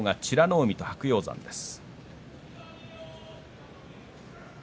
海と白鷹山です。